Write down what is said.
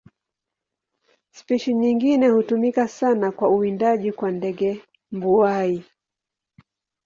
Spishi nyingine hutumika sana kwa uwindaji kwa ndege mbuai.